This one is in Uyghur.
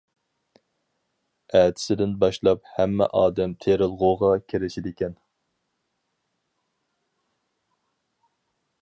ئەتىسىدىن باشلاپ ھەممە ئادەم تېرىلغۇغا كىرىشىدىكەن.